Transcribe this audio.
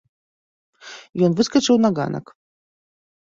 Ён выскачыў на ганак.